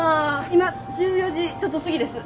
今１４時ちょっと過ぎです。